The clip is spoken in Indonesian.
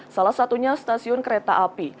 salah satunya stasiun kereta api